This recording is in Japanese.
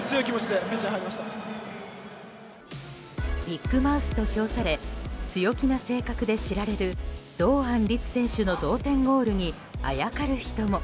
ビッグマウスと評され強気な性格で知られる堂安律選手の同点ゴールにあやかる人も。